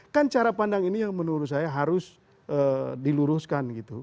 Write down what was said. kan cara pandang ini menurut saya harus diluruskan